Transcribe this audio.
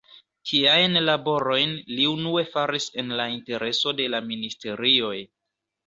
Tiajn laborojn li unue faris en la intereso de la ministerioj.